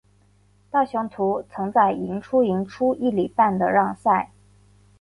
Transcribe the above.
大雄图曾在赢出赢出一哩半的让赛。